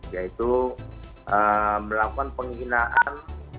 yaitu melakukan penghinaan